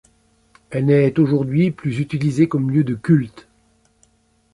Elle n'est aujourd'hui plus utilisée comme lieu de culte.